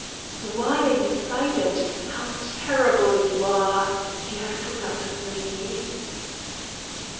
"Why are you silent? How terrible you are! You have forgotten me!"